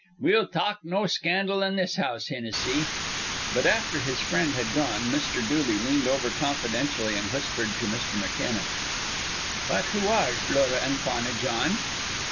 We'll talk no scandal in this house, Hinnissy." But, after his friend had gone, Mr. Dooley leaned over confidentially, and whispered to Mr. McKenna, "But who are Flora an' Fauna, Jawn?"